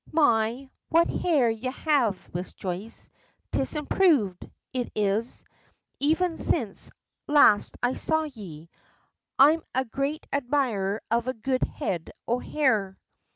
"My, what hair ye have, Miss Joyce! 'Tis improved, it is; even since last I saw ye. I'm a great admirer of a good head o' hair."